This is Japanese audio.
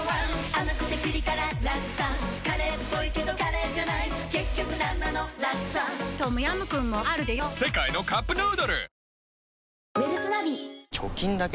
甘くてピリ辛ラクサカレーっぽいけどカレーじゃない結局なんなのラクサトムヤムクンもあるでヨ世界のカップヌードル